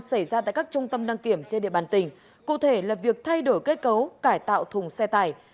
xảy ra tại các trung tâm đăng kiểm trên địa bàn tỉnh cụ thể là việc thay đổi kết cấu cải tạo thùng xe tải